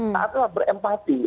saat itu berempati